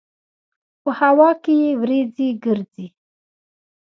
په هوا کې یې وريځې ګرځي.